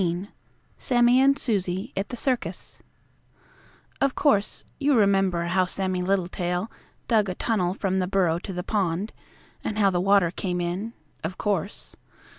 XV SAMMIE AND SUSIE AT THE CIRCUS Of course, you remember how Sammie Littletail dug a tunnel from the burrow to the pond, and how the water came in. Of course.